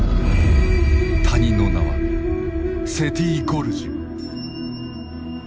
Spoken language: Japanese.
谷の名は「セティ・ゴルジュ」。